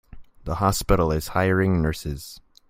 The hospital is hiring nurses.